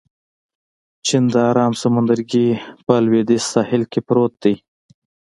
چین د ارام سمندرګي په لوېدیځ ساحل کې پروت دی.